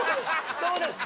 そうですね